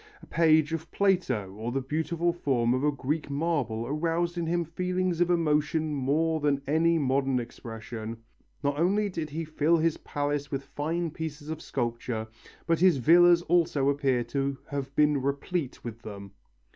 A page of Plato or the beautiful form of a Greek marble aroused in him feelings of emotion more than any modern expression. Not only did he fill his palace with fine pieces of sculpture but his villas also appear to have been replete with them.